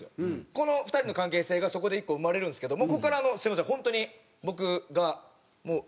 この２人の関係性がそこで１個生まれるんですけどもうここからすみません。